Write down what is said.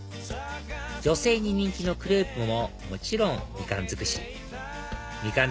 女性に人気のクレープももちろんみかん尽くしみかん